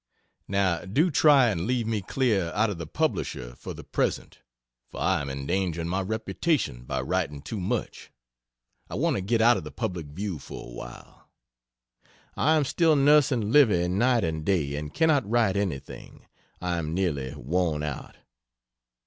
Now do try and leave me clear out of the 'Publisher' for the present, for I am endangering my reputation by writing too much I want to get out of the public view for awhile. I am still nursing Livy night and day and cannot write anything. I am nearly worn out.